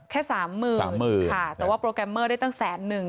แค่สามหมื่นสามหมื่นค่ะแต่ว่าโปรแกรมเมอร์ได้ตั้งแสนนึง